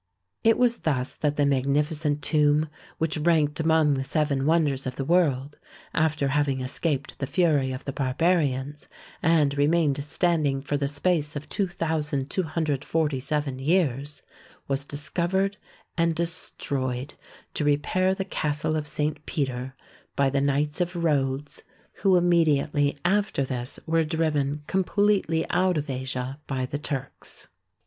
It was thus that the magnificent tomb, which ranked among the seven wonders of the world, after having escaped the fury of the Barbarians, and re mained standing for the space of 2247 years, was discovered and destroyed to repair the castle of St. Peter, by the Knights of Rhodes, who immediately 148 THE SEVEN WONDERS after this were driven completely out of Asia by the Turks.